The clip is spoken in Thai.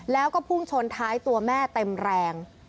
แล้วก็พุ่งชนท้ายตัวแม่เต็มแรง